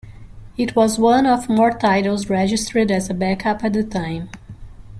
It was one of more titles registered as a backup at the time.